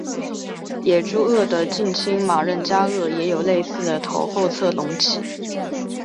野猪鳄的近亲马任加鳄也有类似的头后侧隆起。